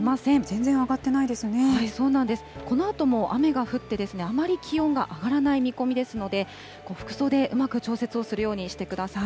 このあとも雨が降って、あまり気温が上がらない見込みですので、服装でうまく調節をするようにしてください。